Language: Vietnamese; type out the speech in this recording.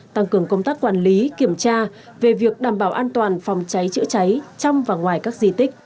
tăng cường công tác quản lý kiểm tra về việc đảm bảo an toàn phòng cháy chữa cháy trong và ngoài các di tích